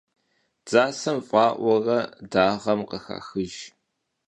Дзасэм фӀаӀуурэ дагъэм къыхахыж.